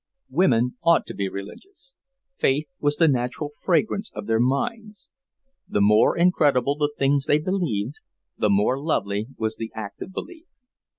Women ought to be religious; faith was the natural fragrance of their minds. The more incredible the things they believed, the more lovely was the act of belief.